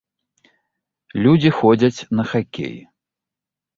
Людзі ходзяць на хакей.